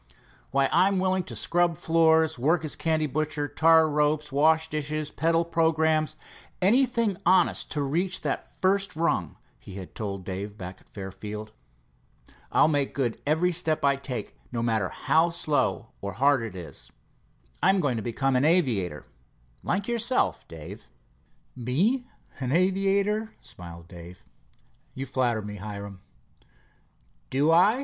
"Why, I'm willing to scrub floors, work as candy butcher, tar ropes, wash dishes, peddle programmes, anything honest to reach that first rung," he had told Dave back at Fairfield. "I'll make good every step I take, no matter how slow or hard it is, I'm going to become an aviator, like yourself, Dave." "Me an aviator?" smiled Dave. "You flatter me, Hiram." "Do I?"